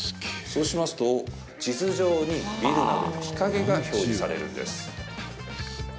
そうしますと、地図上にビルなどの日陰が表示されるんです。